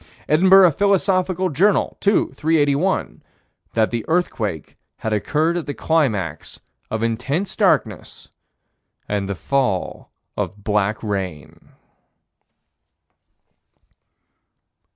Edinburgh Philosophical Journal, 2 381: That the earthquake had occurred at the climax of intense darkness and the fall of black rain.